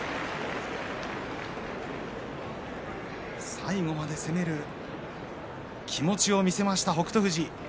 最後まで攻める気持ちを見せました北勝富士。